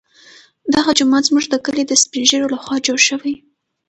دغه جومات زموږ د کلي د سپین ږیرو لخوا جوړ شوی.